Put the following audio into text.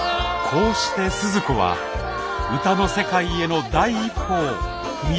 こうして鈴子は歌の世界への第一歩を踏み出したのです。